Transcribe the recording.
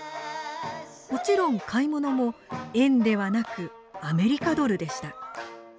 もちろん買い物も円ではなくアメリカドルでした。